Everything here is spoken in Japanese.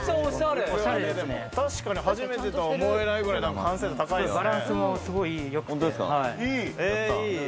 確かに初めてとは思えないくらい完成度高いですね。